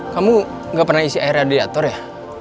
kamu gak pernah isi air radiator ya